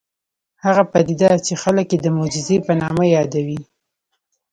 هغه پدیده چې خلک یې د معجزې په نامه یادوي